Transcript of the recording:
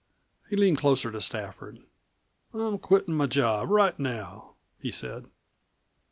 He leaned closer to Stafford. "I'm quittin' my job right now," he said.